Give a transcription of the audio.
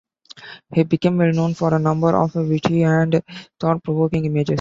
He became well known for a number of witty and thought-provoking images.